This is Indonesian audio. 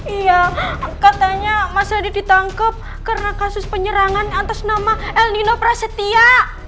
iya katanya mas adi ditangkap karena kasus penyerangan atas nama el nino prasetya